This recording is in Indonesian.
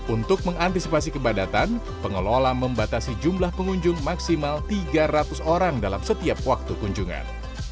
untuk mengantisipasi kebadatan pengelola membatasi jumlah pengunjung maksimal tiga ratus orang dalam setiap waktu kunjungan